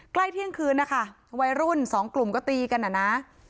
ใกล้เที่ยงคืนนะคะวัยรุ่นสองกลุ่มก็ตีกันอ่ะนะ